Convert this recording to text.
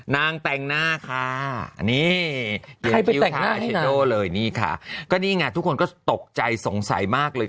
นางแต่งหน้าค่ะนี่ใครไปแต่งหน้าเชโดเลยนี่ค่ะก็นี่ไงทุกคนก็ตกใจสงสัยมากเลย